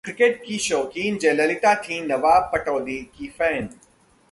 cricket की शौकीन जयललिता थीं नवाब पटौदी की फैन